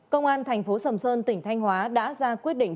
công an thành phố sầm sơn tỉnh thanh hóa đã ra quyết định